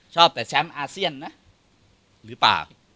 ชอบแต่แชมป์อาเซียนนะ